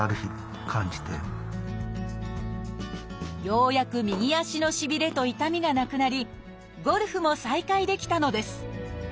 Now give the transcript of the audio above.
ようやく右足のしびれと痛みがなくなりゴルフも再開できたのです。